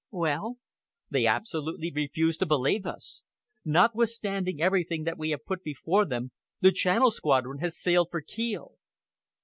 "Well?" "They absolutely refuse to believe us! Notwithstanding everything that we have put before them, the Channel Squadron has sailed for Kiel."